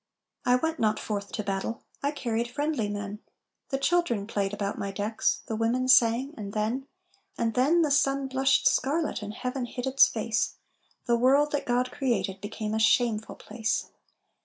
"I went not forth to battle, I carried friendly men, The children played about my decks, The women sang and then And then the sun blushed scarlet And Heaven hid its face, The world that God created Became a shameful place!